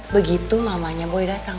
begitu mamanya boleh datang